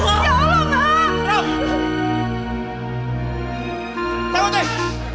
ya allah bang